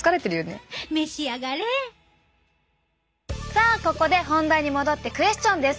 さあここで本題に戻ってクエスチョンです！